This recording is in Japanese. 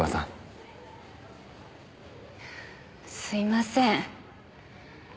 すいません。